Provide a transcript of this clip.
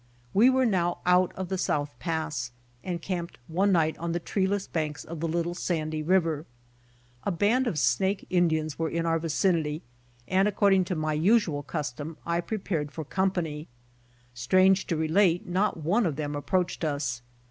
We were now out of the South Pass, and camped one night on the treeless banks of the little Sandy river. A band of Snake Indians were in our vicinity, and according to my usual custom I pre pared for company. Strange to relate not one o£ them approached us.